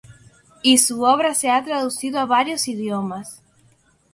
Y su obra se ha traducido a varios idiomas.